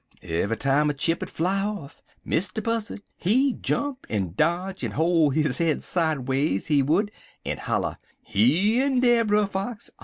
"En eve'y time a chip ud fly off, Mr. Buzzard, he'd jump, en dodge, en hol' his head sideways, he would, en holler: "'He in dar, Brer Fox.